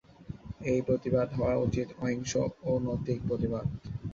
এই প্রতিবাদ হওয়া উচিত অহিংস ও নৈতিক প্রতিবাদ।